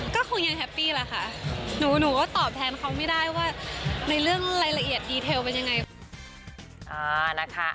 ก็คงยังแฮปปี้แหละค่ะหนูก็ตอบแทนเขาไม่ได้ว่าในเรื่องรายละเอียดดีเทลเป็นยังไง